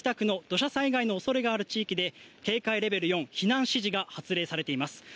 熊本市北区の土砂災害の恐れがある地域で警戒レベル４の避難指示が出されています。